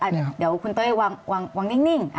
เดี๋ยวคุณเต้ยวางนิ่ง